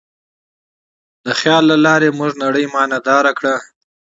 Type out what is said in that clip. د خیال له لارې موږ نړۍ معنیداره کړه.